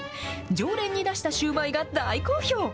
常連に出したシューマイが大好評。